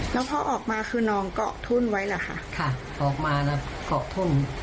แล้วพอออกมาคือน้องเกาะทุ่นไว้แหละค่ะออกมาแล้วเกาะทุ่น